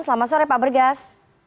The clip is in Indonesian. selamat sore pak bergas